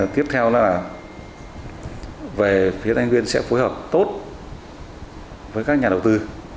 tiếp theo là về phía thanh viên sẽ phối hợp tốt với các nhà đầu tư